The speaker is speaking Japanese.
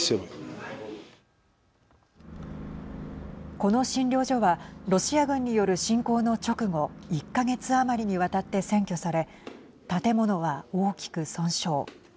この診療所はロシア軍による侵攻の直後１か月余りにわたって占拠され建物は大きく損傷。